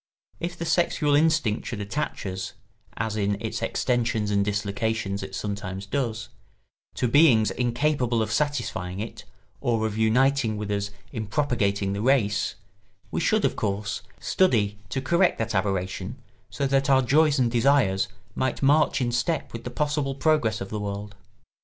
If the sexual instinct should attach us (as in its extensions and dislocations it sometimes does) to beings incapable of satisfying it or of uniting with us in propagating the race, we should, of course, study to correct that aberration so that our joys and desires might march in step with the possible progress of the world.